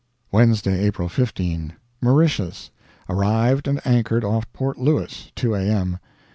Wednesday, April 15. Mauritius. Arrived and anchored off Port Louis 2 A. M.